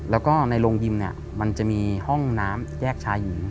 แล้วก็ในโรงยิมเนี่ยมันจะมีห้องน้ำแยกชายหญิง